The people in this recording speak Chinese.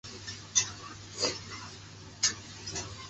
自此也拉开了中国人民解放军全军服装改革的序幕。